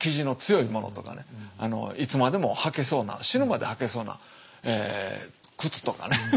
いつまでも履けそうな死ぬまで履けそうな靴とかね。